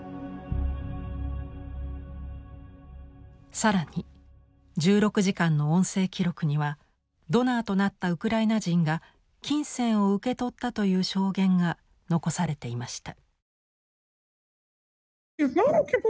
更に１６時間の音声記録にはドナーとなったウクライナ人が金銭を受け取ったという証言が残されていました。